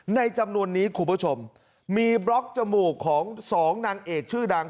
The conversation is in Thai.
ในจำนวนนี้คุณผู้ชมมีบล็อกจมูกของสองนางเอกชื่อดัง